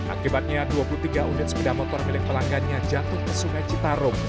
akibatnya dua puluh tiga unit sepeda motor milik pelanggannya jatuh ke sungai citarum